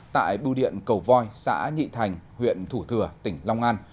tại bưu điện cầu voi xã nhị thành huyện thủ thừa tỉnh long an